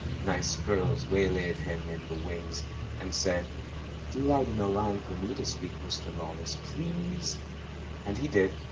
Nice girls waylaid him in the wings, and said, "Do write in a line for me to speak, Mr. Lawless, pleaseT And he did.